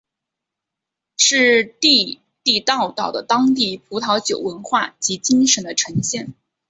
是地地道道的当地葡萄酒文化及精神的呈现。